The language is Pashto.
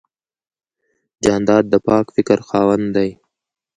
جانداد د پاک فکر خاوند دی.